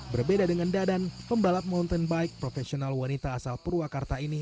berbeda dengan dadan pembalap mountain bike profesional wanita asal purwakarta ini